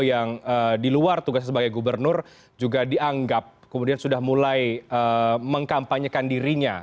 yang di luar tugasnya sebagai gubernur juga dianggap kemudian sudah mulai mengkampanyekan dirinya